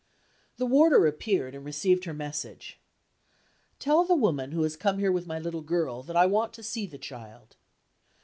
The warder appeared, and received her message. "Tell the woman who has come here with my little girl that I want to see the child."